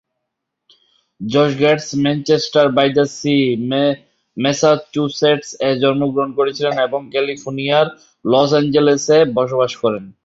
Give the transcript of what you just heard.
Josh Gates Manchester by the Sea, ম্যাসাচুসেটস-এ জন্মগ্রহণ করেছিলেন এবং ক্যালিফোর্নিয়ার লস অ্যাঞ্জেলেস এ বাস করেন।